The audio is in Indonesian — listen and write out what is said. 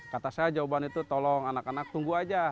kata saya jawaban itu tolong anak anak tunggu aja